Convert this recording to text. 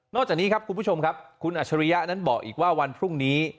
จากนี้ครับคุณผู้ชมครับคุณอัชริยะนั้นบอกอีกว่าวันพรุ่งนี้